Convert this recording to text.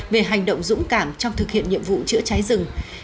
về hành động dũng cảm trong thực hiện nhiệm vụ chữa cháy rừng